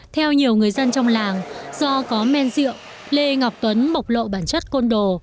theo nhiều người dân trong làng do có men rượu lê ngọc tuấn bộc lộ bản chất côn đồ